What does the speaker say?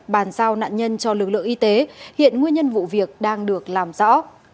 bàn giao nạn nhân cho lực lượng y tế hiện nguyên nhân vụ việc đang được làm rõ